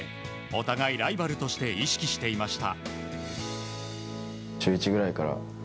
お互いライバルとして意識していました。